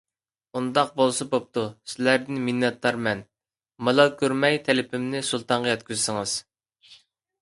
ئۇنداق بولسا بوپتۇ. سىلەردىن مىننەتدارمەن. مالال كۆرمەي تەلىپىمنى سۇلتانغا يەتكۈزسىڭىز.